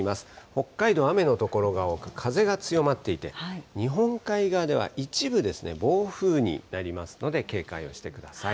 北海道、雨の所が多く、風が強まっていて、日本海側では一部、暴風になりますので警戒をしてください。